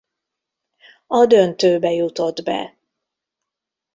A döntőbe jutott be.